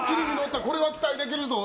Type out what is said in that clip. これは期待できるぞ。